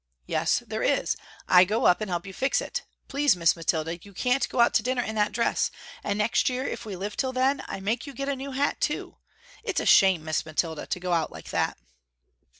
"Yes there is, I go up and help you fix it, please Miss Mathilda you can't go out to dinner in that dress and next year if we live till then, I make you get a new hat, too. It's a shame Miss Mathilda to go out like that."